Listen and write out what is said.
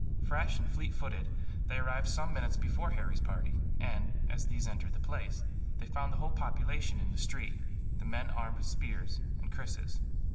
Fresh and fleet footed, they arrived some minutes before Harry's party and, as these entered the place, they found the whole population in the street, the men armed with spears and krises.